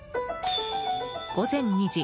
午前２時。